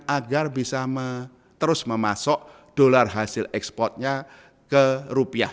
agar bisa terus memasok dolar hasil ekspornya ke rupiah